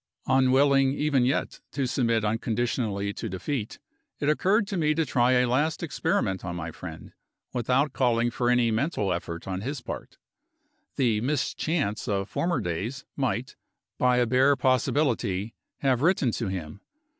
Unwilling even yet to submit unconditionally to defeat, it occurred to me to try a last experiment on my friend, without calling for any mental effort on his own part. The "Miss Chance" of former days might, by a bare possibility, have written to him.